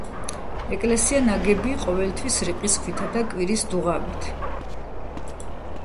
ეკლესია ნაგები ყოფილა რიყის ქვითა და კირის დუღაბით.